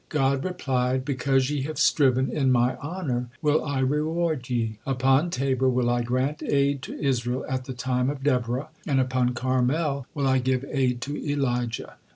God replied: "Because ye have striven in My honor will I reward ye. Upon Tabor will I grant aid to Israel at the time of Deborah, and upon Carmel will I give aid to Elijah."